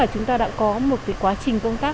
chúng ta đã có một quá trình công tác